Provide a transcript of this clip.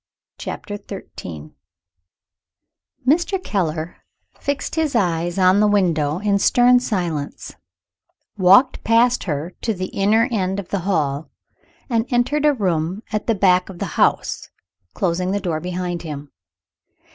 CHAPTER XIII Mr. Keller fixed his eyes on the widow in stern silence; walked past her to the inner end of the hall; and entered a room at the back of the house, closing the door behind him.